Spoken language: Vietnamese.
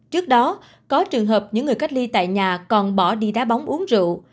trước đó có trường hợp những người cách ly tại nhà còn bỏ đi đá bóng uống rượu